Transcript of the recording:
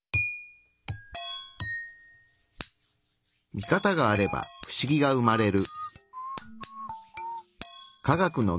ミカタがあればフシギが生まれる。